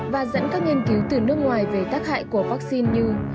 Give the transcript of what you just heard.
và dẫn các nghiên cứu từ nước ngoài về tác hại của vaccine như